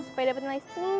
supaya dapetin lagi sembuh